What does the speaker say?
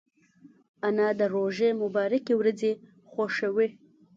انا د روژې مبارکې ورځې خوښوي